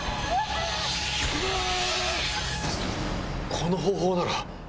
この方法なら！